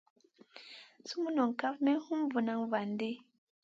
Sumun nong kaf may hum vuna van di.